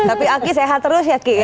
tapi aki sehat terus ya ki ya